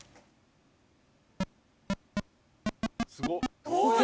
すごっ！